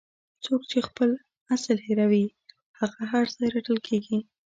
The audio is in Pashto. څوک چې خپل اصل هیروي هغه هر ځای رټل کیږي.